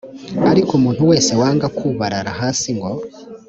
ariko umuntu wese wanga kubarara hasi ngo